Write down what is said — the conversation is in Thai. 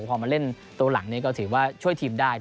พอมาเล่นตัวหลังนี้ก็ถือว่าช่วยทีมได้